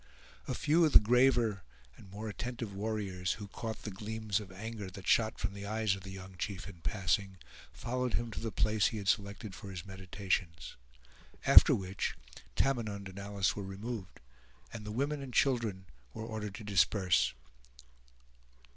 A few of the graver and more attentive warriors, who caught the gleams of anger that shot from the eyes of the young chief in passing, followed him to the place he had selected for his meditations. After which, Tamenund and Alice were removed, and the women and children were ordered to disperse.